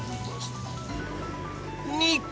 ２個。